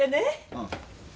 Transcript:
うん。